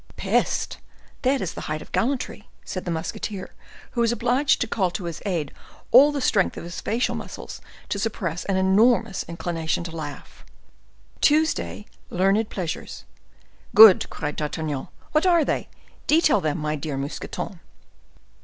"Peste! that is the height of gallantry," said the musketeer, who was obliged to call to his aid all the strength of his facial muscles to suppress an enormous inclination to laugh. "Tuesday, learned pleasures." "Good!" cried D'Artagnan. "What are they? Detail them, my dear Mousqueton."